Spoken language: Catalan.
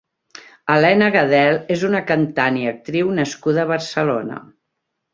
Elena Gadel és una cantant i actriu nascuda a Barcelona.